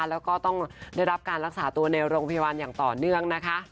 แล้วก็ต้องได้รับการรักษาตัวในโรงพยาบาลอย่างต่อเนื่องนะคะ